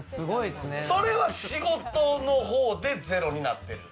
それは仕事の方でゼロになってる。